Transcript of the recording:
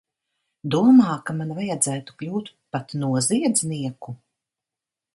Domā, ka man vajadzētu kļūt pat noziedznieku?